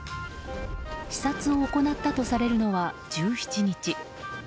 視察を行ったとされるのは１７日。